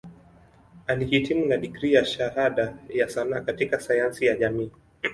Alihitimu na digrii ya Shahada ya Sanaa katika Sayansi ya Jamii.